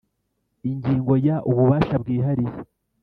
Ingingo ya Ububasha bwihariye